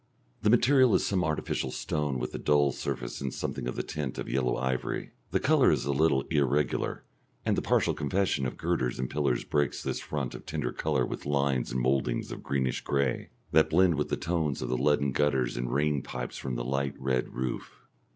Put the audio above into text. The material is some artificial stone with the dull surface and something of the tint of yellow ivory; the colour is a little irregular, and a partial confession of girders and pillars breaks this front of tender colour with lines and mouldings of greenish gray, that blend with the tones of the leaden gutters and rain pipes from the light red roof.